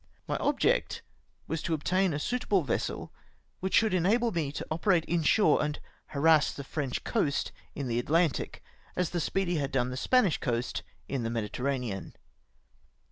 My object was to obtam a suitable vessel, which should enable me to operate inshore and harass the French coast in the Atlantic, as the Speedy had done the Spanish coast in the Mediterranean.